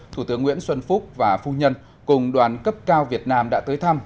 thủ tướng nguyễn xuân phúc và phu nhân cùng đoàn cấp cao việt nam đã tới thăm